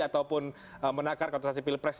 ataupun menakar kontrasisi pilpres